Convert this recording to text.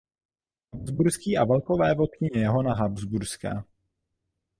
Habsburský a velkovévodkyně Johana Habsburská.